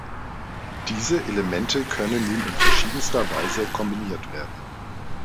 Diese Elemente können nun in verschiedenster Weise kombiniert werden.